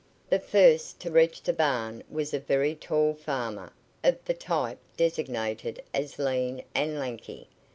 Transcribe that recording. The first to reach the barn was a very tall farmer, of the type designated as lean and lanky.